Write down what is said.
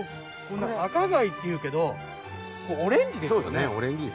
赤貝っていうけどオレンジですよね？